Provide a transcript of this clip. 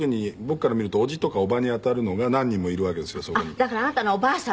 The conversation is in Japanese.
あっだからあなたのおばあ様